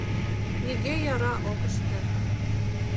Нигӧ яра ок ыште.